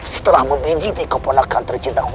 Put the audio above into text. setelah memijiti keponakan tercintaku